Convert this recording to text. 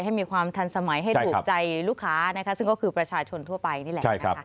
ให้มีความทันสมัยให้ถูกใจลูกค้านะคะซึ่งก็คือประชาชนทั่วไปนี่แหละนะคะ